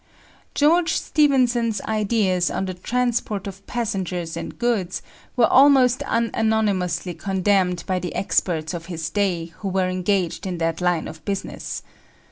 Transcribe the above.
George Stephenson's ideas on the transport of passengers and goods were almost unanimously condemned by the experts of his day who were engaged in that line of business.